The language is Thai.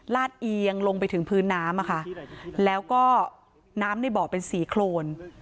ลาดเอียงลงไปถึงพื้นน้ำแล้วก็น้ำในเบาะเป็น๔โคลน